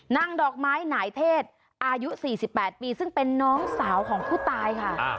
ดอกไม้หน่ายเทศอายุ๔๘ปีซึ่งเป็นน้องสาวของผู้ตายค่ะ